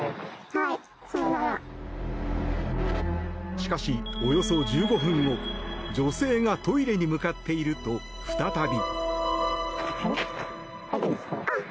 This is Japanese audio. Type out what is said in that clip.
しかし、およそ１５分後女性がトイレに向かっていると再び。